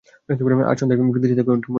আজ সন্ধ্যায় কার্তির সাথে কোয়েম্বাটুরে যাবে।